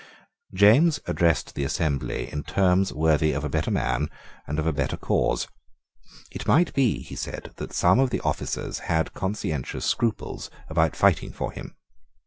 James addressed the assembly in terms worthy of a better man and of a better cause. It might be, he said, that some of the officers had conscientious scruples about fighting for him.